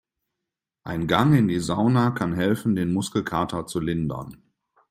Ein Gang in die Sauna kann helfen, den Muskelkater zu lindern.